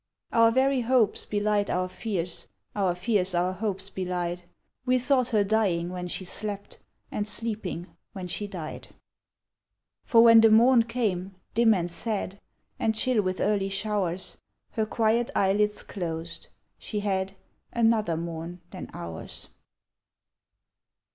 Our very hopes belied our fears, Our fears our hopes belied We thought her dying when she slept, And sleeping when she died. For when the morn came, dim and sad, And chill with early showers, Her quiet eyelids closed she had Another morn than ours.